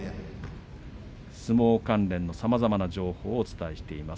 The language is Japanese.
相撲関連のさまざまな情報をお伝えしています。